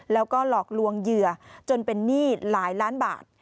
แล้วก็หลอกลวงเหยื่อจนเป็นหนี้หลายล้านบาท